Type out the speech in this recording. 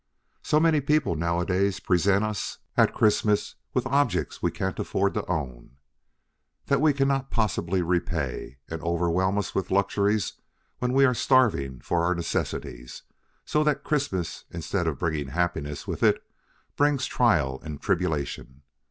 So many people nowadays present us at Christmas with objects we can't afford to own, that we cannot possibly repay, and overwhelm us with luxuries when we are starving for our necessities, so that Christmas, instead of bringing happiness with it, brings trial and tribulation.